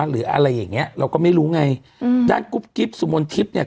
หรืออะไรอย่างเงี้ยเราก็ไม่รู้ไงอืมด้านกุ๊บกิ๊บสุมนทิพย์เนี่ย